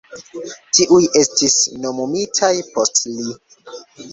Tiuj estis nomumitaj post li.